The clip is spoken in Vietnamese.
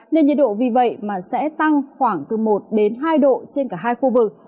nên nhiệt độ vì vậy mà sẽ tăng khoảng từ một đến hai độ trên cả hai khu vực